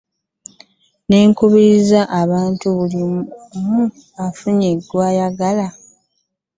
Nkubiriza abantu buli omu afune munne gw'ayagala